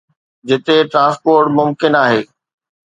جتي ٽرانسپورٽ ممڪن آهي.